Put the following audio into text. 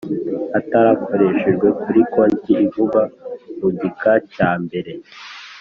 atarakoreshejwe kuri konti ivugwa mu gika cya mbere